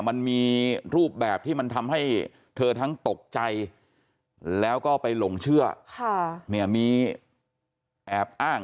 มันมีรูปแบบที่มันทำให้เธอทั้งตกใจแล้วก็ไปหลงเชื่อมีแอบอ้าง